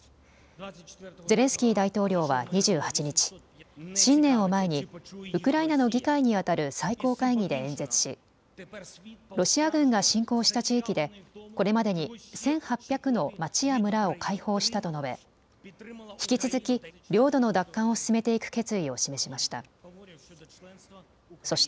ゼレンスキー大統領は２８日、新年を前にウクライナの議会にあたる最高会議で演説しロシア軍が侵攻した地域でこれまでに１８００の町や村を解放したと述べ引き続き領土の奪還を進めていく決意を示しました。